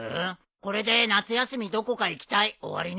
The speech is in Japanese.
これで夏休みどこか行き隊終わりにするか？